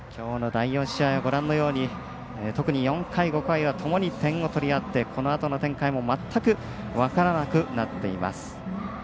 ご覧のように特に４回５回はともに点を取り合ってこのあとの展開も全く分からなくなっています。